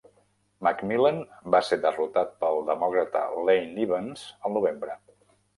McMillan va ser derrotat pel demòcrata Lane Evans al novembre.